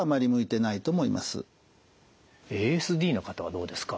ＡＳＤの方はどうですか？